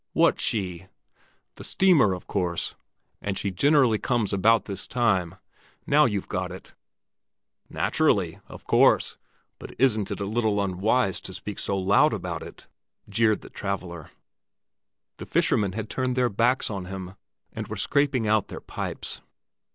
"What 'she'?" "The steamer, of course. And she generally comes about this time. Now you've got it!" "Naturally—of course! But isn't it a little unwise to speak so loud about it?" jeered the traveller. The fishermen had turned their backs on him, and were scraping out their pipes.